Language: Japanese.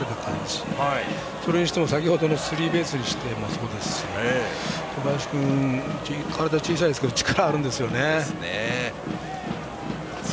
それにしても先程のスリーベースにしてもそうですし小林君、体は小さいですけど力はあるんですね。